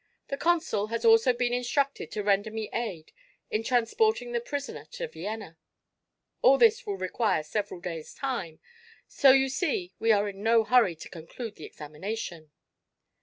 The consul has also been instructed to render me aid in transporting the prisoner to Vienna. All this will require several days' time, so you see we are in no hurry to conclude the examination."